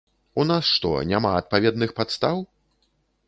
У нас што, няма адпаведных падстаў?